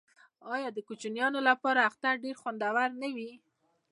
آیا د کوچنیانو لپاره اختر ډیر خوندور نه وي؟